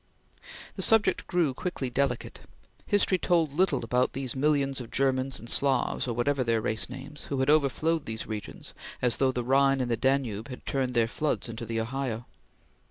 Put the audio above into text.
The subject grew quickly delicate. History told little about these millions of Germans and Slavs, or whatever their race names, who had overflowed these regions as though the Rhine and the Danube had turned their floods into the Ohio.